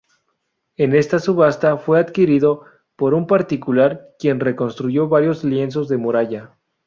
En esta subasta fue adquirido por un particular, quien reconstruyó varios lienzos de muralla.